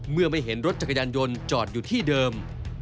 เมื่อไม่เห็นรถจักรยานยนต์จอดอยู่ที่เดิม